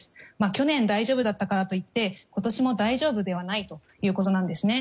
去年、大丈夫だったからといって今年も大丈夫ではないということなんですね。